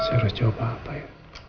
seharusnya coba apa ya